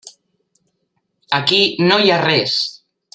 Aquí no hi ha res.